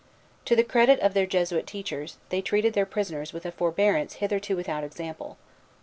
To the credit of their Jesuit teachers, they treated their prisoners with a forbearance hitherto without example.